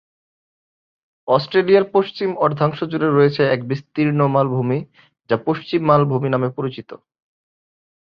অস্ট্রেলিয়ার পশ্চিম অর্ধাংশ জুড়ে রয়েছে এক বিস্তীর্ণ মালভূমি, যা পশ্চিম মালভূমি নামে পরিচিত।